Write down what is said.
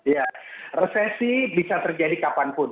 ya resesi bisa terjadi kapanpun